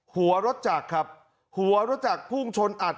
หัวรถจักรครับหัวรถจักรพุ่งชนอัด